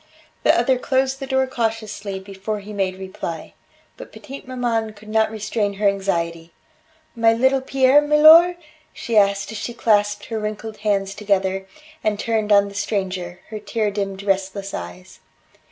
The other closed the door cautiously before he made reply. But petite maman could not restrain her anxiety. "My little Pierre, milor?" she asked as she clasped her wrinkled hands together, and turned on the stranger her tear dimmed restless eyes.